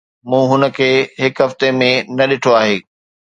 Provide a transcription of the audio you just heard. مون هن کي هڪ هفتي ۾ نه ڏٺو آهي.